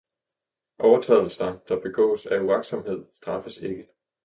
Overtrædelser, der begås af uagtsomhed, straffes ikke